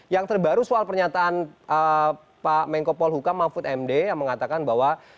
yang terbaru soal pernyataan pak menko polhukam mahfud md yang mengatakan bahwa